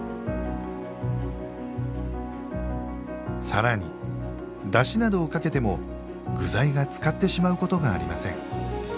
さらにダシなどをかけても具材がつかってしまうことがありません。